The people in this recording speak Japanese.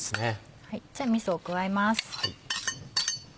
じゃあみそを加えます。